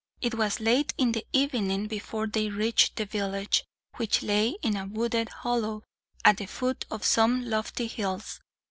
It was late in the evening before they reached the village, which lay in a wooded hollow at the foot of some lofty hills.